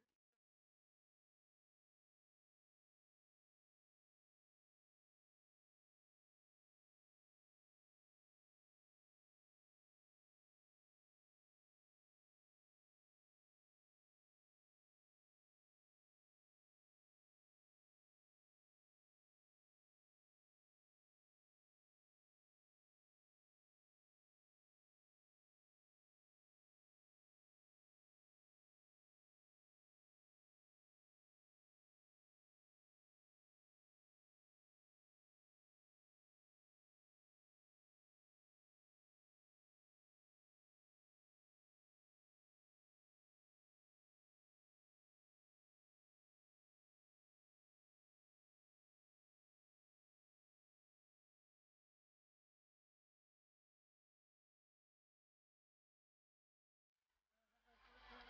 aku ingin bisa berada di sawah